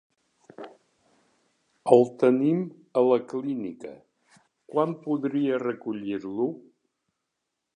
El tenim a la clínica, quan podria recollir-lo?